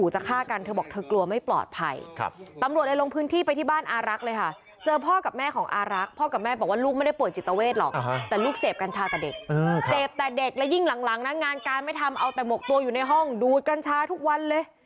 เจ็บแต่เด็กและยิ่งหลังนะงานการไม่ทำเอาแต่หมกตัวอยู่ในห้องดูดกันช้าทุกวันเลย